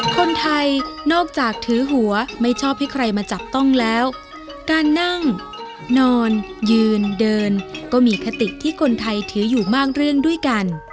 คนไทยนอกจากถือหัวไม่ชอบให้ใครมาจับต้องแล้วการนั่งนอนยืนเดินก็มีคติที่คนไทยถืออยู่มากเรื่องด้วยกัน